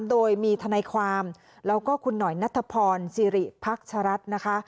โดยมีทนายความแล้วก็คุณหน่อยนัทพรสิริพักชรัฐนะคะ